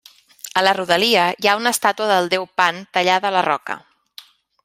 A la rodalia, hi ha una estàtua del déu Pan tallada a la roca.